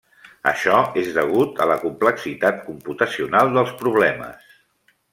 Això és degut a la complexitat computacional dels problemes.